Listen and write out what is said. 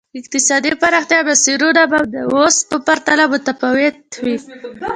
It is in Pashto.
اقتصادي پراختیا مسیرونه به د اوس په پرتله متفاوت وای.